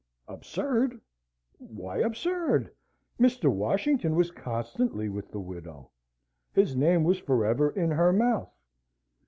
Absurd! Why absurd? Mr. Washington was constantly with the widow. His name was forever in her mouth.